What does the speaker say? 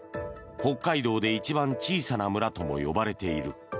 北海道で一番小さな村とも呼ばれている。